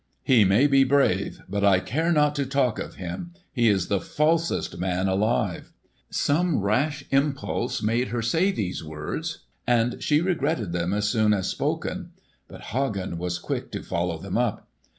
"He may be brave, but I care not to talk of him. He is the falsest man alive." Some rash impulse made her say these words, and she regretted them as soon as spoken. But Hagen was quick to follow them up.